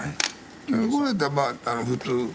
これやったらば普通。